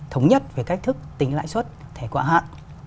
thống nhất về cách thức tính lãi xuất thẻ khóa hạn